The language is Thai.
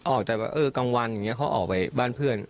ออกแต่ว่ากลางวันเขาออกไปบ้านเพื่อน